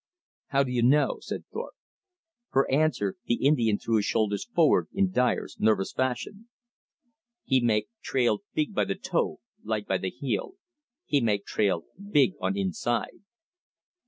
"How do you know?" said Thorpe. For answer the Indian threw his shoulders forward in Dyer's nervous fashion. "He make trail big by the toe, light by the heel. He make trail big on inside."